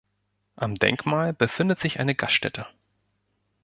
Am Denkmal befindet sich eine Gaststätte.